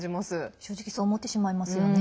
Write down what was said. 正直そう思ってしまいますよね。